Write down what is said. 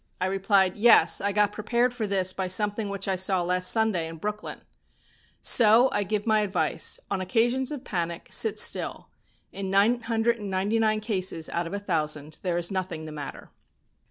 I replied, "Yes, I got prepared for this by something which I saw last Sunday in Brooklyn." So I give my advice: On occasions of panic, sit still; in 999 cases out of a thousand there is nothing the matter.